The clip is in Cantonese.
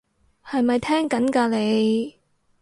係咪聽緊㗎你？